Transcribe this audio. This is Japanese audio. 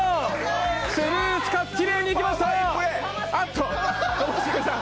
スムーズかつ、きれいにいきました